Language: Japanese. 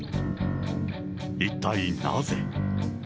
一体なぜ。